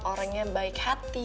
orangnya baik hati